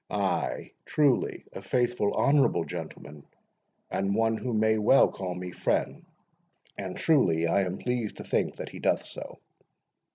Ay, truly, a faithful, honourable gentleman, and one who may well call me friend; and truly I am pleased to think that he doth so.